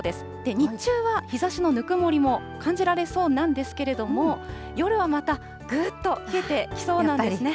日中は日ざしのぬくもりも感じられそうなんですけれども、夜はまた、ぐっと冷えてきそうなんですね。